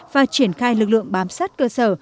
và triển khai lực lượng bám sát cơ sở